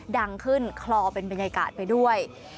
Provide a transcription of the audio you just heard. ดังขึ้นคลอเป็นบรรยากาศไปด้วย